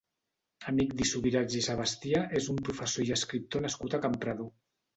Emigdi Subirats i Sebastià és un professor i escriptor nascut a Campredó.